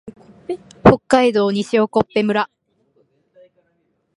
北海道西興部村